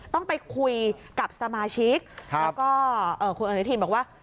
ต้องไปคุยกับสมาชิกแล้วก็คุณอนุทินบอกว่า